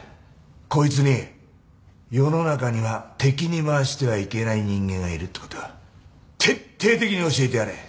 こいつに世の中には敵に回してはいけない人間がいるってこと徹底的に教えてやれ！